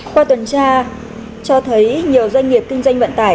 qua tuần tra cho thấy nhiều doanh nghiệp kinh doanh vận tải